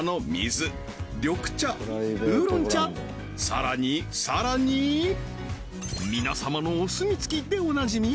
さらにさらにみなさまのお墨付きでおなじみ